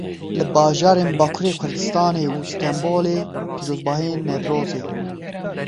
Li bajarên Bakurê Kurdistanê û Stenbolê pîrozbahiyên Newrozê.